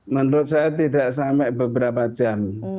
menurut saya tidak sampai beberapa jam